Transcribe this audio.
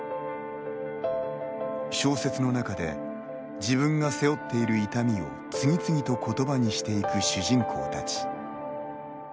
小説の中で、自分が背負っている痛みを次々と言葉にしていく主人公たち。